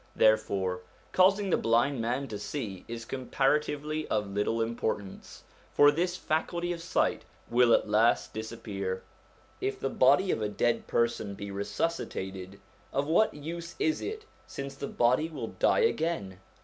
Therefore causing the blind man to see is comparatively of little importance, for this faculty of sight will at last SOME CHRISTIAN SUBJECTS 117 disappear. If the body of a dead person be resuscitated, of what use is it since the body will die again